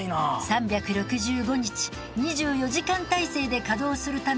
３６５日２４時間体制で稼働するため短いんですね。